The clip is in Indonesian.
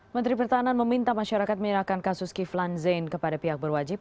menteri pertahanan meminta masyarakat menyerahkan kasus kiflan zain kepada pihak berwajib